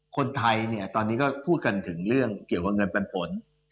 คนไทยเนี่ยตอนนี้ก็พูดกันถึงเรื่องเกี่ยวกับเงินปันผล